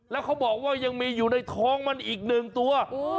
แล้วเขาบอกว่ายังมีอยู่ในท้องมันอีกหนึ่งตัว